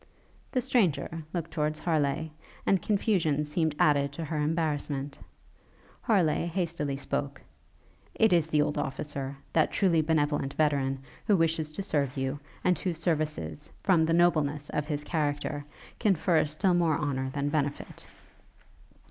The stranger looked towards Harleigh, and confusion seemed added to her embarrassment. Harleigh hastily spoke. 'It is the old officer, that truly benevolent veteran, who wishes to serve you, and whose services, from the nobleness of his character, confer still more honour than benefit.'